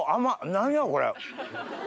何やこれ。